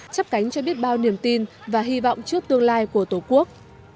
chấp cánh cho biết bao niềm tin và hy vọng trước tương lai của tổ quốc